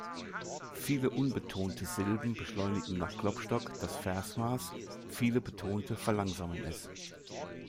Viele unbetonte Silben beschleunigen nach Klopstock das Versmaß, viele betonte verlangsamen es.